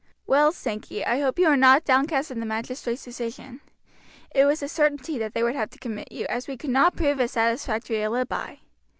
"Well, Sankey, I hope you are not downcast at the magistrates' decision. It was a certainty that they would have to commit you, as we could not prove a satisfactory alibi.